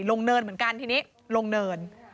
เนินเหมือนกันทีนี้ลงเนิน